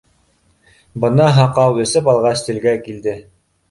Бына һаҡау, эсеп алғас, телгә килде: